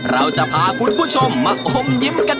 เราจะพาคุณผู้ชมมาอมยิ้มกัน